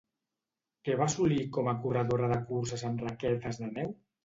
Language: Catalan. Què va assolir com a corredora de curses amb raquetes de neu?